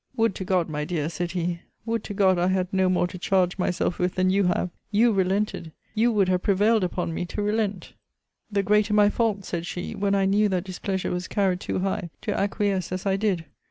Would to God, my dear, said he, would to God I had no more to charge myself with than you have! You relented! you would have prevailed upon me to relent! The greater my fault, said she, when I knew that displeasure was carried too high, to acquiesce as I did!